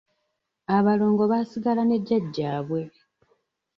Abalongo baasigala ne Jjajjaabwe.